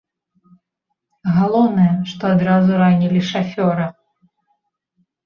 Галоўнае, што адразу ранілі шафёра.